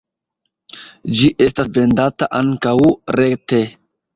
Ĝi estas vendata ankaŭ rete.